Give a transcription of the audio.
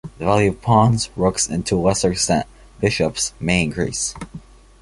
The value of pawns, rooks and, to a lesser extent, bishops may increase.